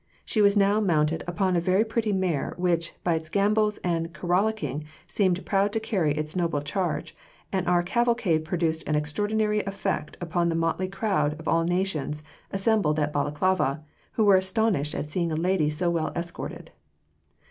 She was now mounted "upon a very pretty mare, which, by its gambols and caracoling, seemed proud to carry its noble charge, and our cavalcade produced an extraordinary effect upon the motley crowd of all nations assembled at Balaclava, who were astonished at seeing a lady so well escorted."